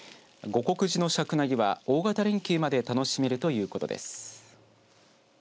護國寺のシャクナゲは大型連休まで楽しめるということです。